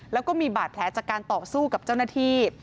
แล้วก็มีบาดแผลจากการต่อสู้กับเจ้าหน้าที่